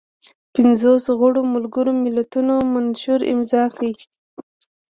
پنځوس غړو ملګرو ملتونو منشور امضا کړ.